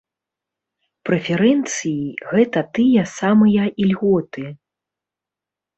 Прэферэнцыі гэта тыя самыя ільготы.